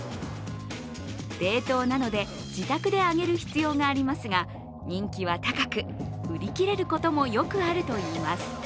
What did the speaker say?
冷凍なので自宅で揚げる必要がありますが、人気は高く、売り切れることもよくあるといいます。